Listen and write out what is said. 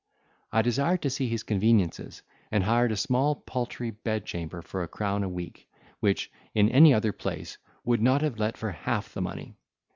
I desired to see his conveniences, and hired a small paltry bed chamber for a crown a week, which, in any other place, would not have let for half the money.